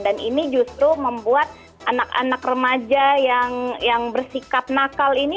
dan ini justru membuat anak anak remaja yang bersikap nakal ini